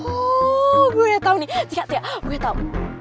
oh gue tau nih tika tika gue tau